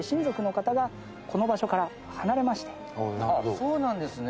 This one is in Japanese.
そうなんですね。